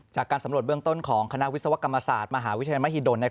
จากการสำรวจเบื้องต้นของคณะวิศวกรรมศาสตร์มหาวิทยาลัยมหิดล